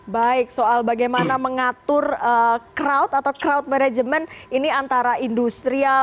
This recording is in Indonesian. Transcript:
baik soal bagaimana mengatur crowd atau crowd management ini antara industrial